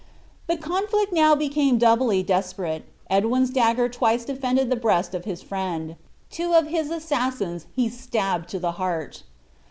The conflict now became doubly desperate Edwin's dagger twice defended the breast of his friend. Two of his assassins he stabbed to the heart.